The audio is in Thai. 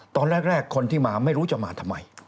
ตอนแรกคนที่มาไม่รู้จะมาทำไม